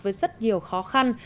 với rất nhiều khó khăn